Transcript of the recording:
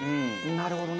なるほどね。